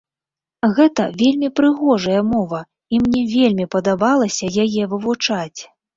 Гэта вельмі прыгожая мова і мне вельмі падабалася яе вывучаць!